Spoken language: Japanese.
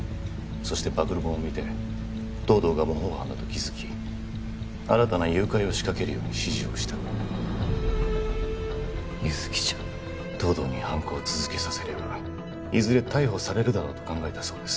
そして暴露本を見て東堂が模倣犯だと気づき新たな誘拐を仕掛けるように指示をした優月ちゃん東堂に犯行を続けさせればいずれ逮捕されるだろうと考えたそうです